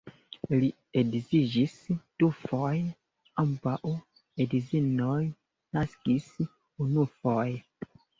Li edziĝis dufoje, ambaŭ edzinoj naskis unufoje.